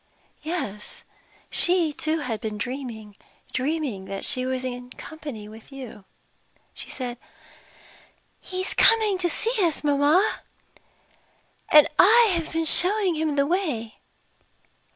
"Yes. She too had been dreaming dreaming that she was in company with you. She said: 'He is coming to see us, mamma; and I have been showing him the way.'